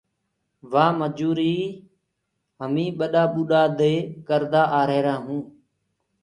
وآ مجوٚريٚ همي ٻڏآ ٻوڏآ دي ڪردآ آريهرآ هونٚ۔